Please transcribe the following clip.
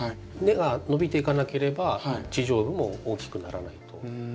根が伸びていかなければ地上部も大きくならないと。